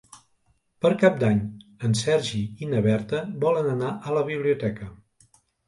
Per Cap d'Any en Sergi i na Berta volen anar a la biblioteca.